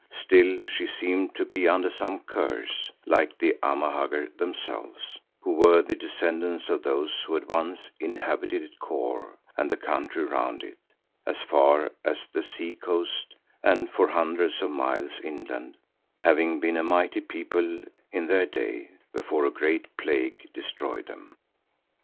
Still she seemed to be under some curse, like the Amahagger themselves, who were the descendants of those who had once inhabited Kôr and the country round it, as far as the sea coast and for hundreds of miles inland, having been a mighty people in their day before a great plague destroyed them.